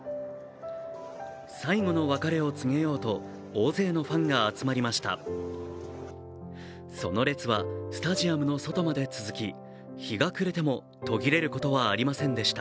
最後の別れを告げようと、大勢のファンが集まりました。